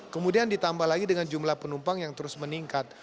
kemudian ditambah lagi dengan jumlah penumpang yang terus meningkat